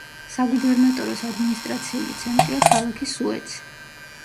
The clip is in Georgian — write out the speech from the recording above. საგუბერნატოროს ადმინისტრაციული ცენტრია ქალაქი სუეცი.